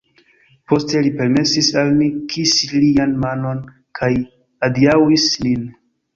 Poste li permesis al ni kisi lian manon kaj adiaŭis nin.